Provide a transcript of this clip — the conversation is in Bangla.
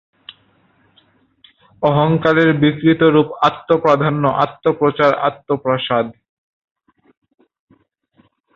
অহংকারের বিকৃত রূপ আত্মপ্রাধান্য, আত্মপ্রচার, আত্মপ্রসাদ।